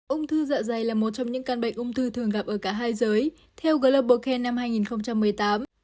ung thư dạ dày là một trong những căn bệnh ung thư thường gặp ở cả hai giới theo global can năm hai nghìn một mươi tám